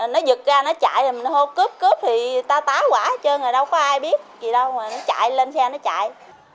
nó giật ra nó chạy rồi nó hô cướp cướp thì ta tá quả hết trơn rồi đâu có ai biết gì đâu mà nó chạy lên xe nó chạy